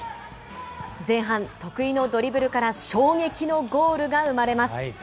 前半、得意のドリブルから衝撃のゴールが生まれます。